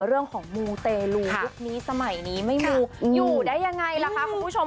เรื่องของมูเตลูยุคนี้สมัยนี้ไม่มูอยู่ได้ยังไงล่ะคะคุณผู้ชม